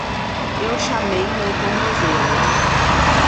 Eu chamei meu tornozelo.